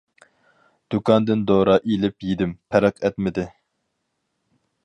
دۇكاندىن دورا ئېلىپ يېدىم، پەرق ئەتمىدى.